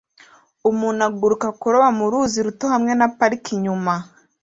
Umuntu aguruka kuroba mu ruzi ruto hamwe na parike inyuma